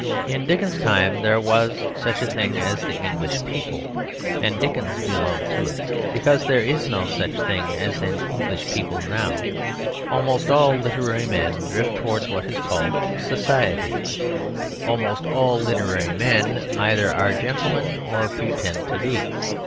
In Dickens's time there was such a thing as the English people, and Dickens belonged to it. Because there is no such thing as an English people now, almost all literary men drift towards what is called Society; almost all literary men either are gentlemen or pretend to be.